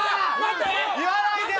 言わないで！